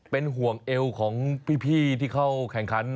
เป็นห่วงเอวของพี่ที่เข้าแข่งขัน